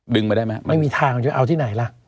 ไปได้ไหมไม่มีทางจะเอาที่ไหนล่ะ